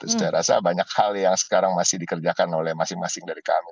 saya rasa banyak hal yang sekarang masih dikerjakan oleh masing masing dari kami